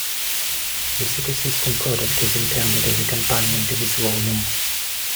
The "City System" product is intended as a companion to this volume.